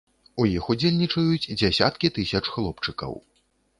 У іх удзельнічаюць дзясяткі тысяч хлопчыкаў.